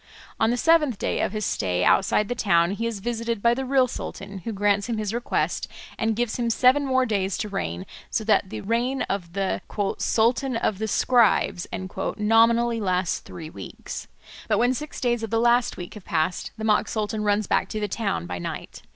On the seventh day of his stay outside the town he is visited by the real sultan, who grants him his request and gives him seven more days to reign, so that the reign of "the Sultan of the Scribes" nominally lasts three weeks. But when six days of the last week have passed the mock sultan runs back to the town by night.